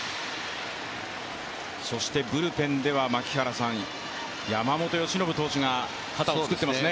ブルペンでは山本由伸投手が肩をつくってますね。